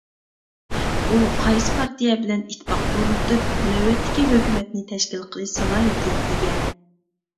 ئۇ قايسى پارتىيە بىلەن ئىتتىپاق ئورنىتىپ، نۆۋەتتىكى ھۆكۈمەتنى تەشكىل قىلىش سالاھىيىتىگە ئىگە.